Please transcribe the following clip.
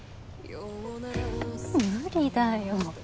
無理だよ。